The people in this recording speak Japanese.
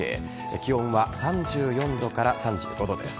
気温は３４度から３５度です。